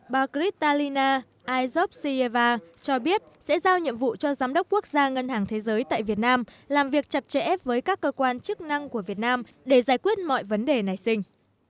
bà krista lina aizopseva cho biết sẽ giao nhiệm vụ cho giám đốc quốc gia ngân hàng thế giới tại việt nam làm việc chặt chẽ với các cơ quan chức năng của việt nam để giải quyết mọi vấn đề này xinh